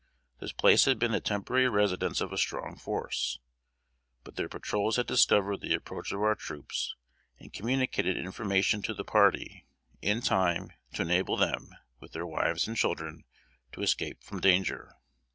This place had been the temporary residence of a strong force; but their patrols had discovered the approach of our troops, and communicated information to the party in time to enable them, with their wives and children, to escape from danger.